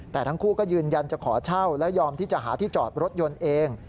แต่ทั้งคู่ก็ยืนยันจะขอเช่าและยอมที่จะหาที่จอดรถยนต์เอง